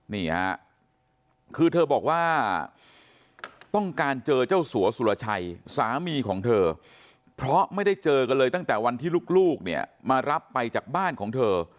นี่ฮะคือเธอบอกว่าต้องการเจอเจ้าสัวสุรชัยสามีของเธอเพราะไม่ได้เจอกันเลยตั้งแต่วันที่ลูกเนี่ยมารับไปจากบ้านของเธอ